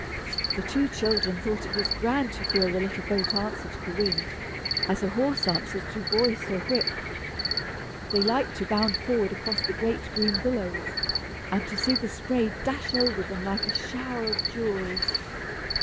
The two children thought it was grand to feel the little boat answer to the wind, as a horse answers to voice or whip. They liked to bound forward across the great green billows, and to see the spray dash over them like a shower of jewels.